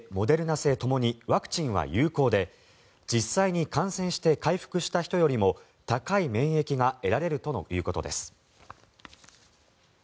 製ともにワクチンは有効で実際に感染して回復した人よりも高い免疫が得られるということです。